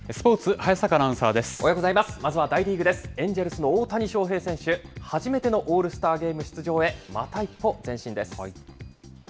エンジェルスの大谷翔平選手、初めてのオールスターゲーム出場へまた一歩前進です。